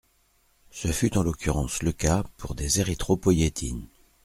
Ce fut en l’occurrence le cas pour des érythropoïétines.